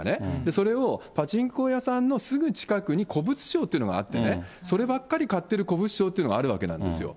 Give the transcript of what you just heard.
それをパチンコ屋さんのすぐ近くに、古物商というのがあってね、そればっかり買ってる古物商というのがあるわけなんですよ。